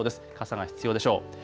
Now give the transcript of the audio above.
傘が必要でしょう。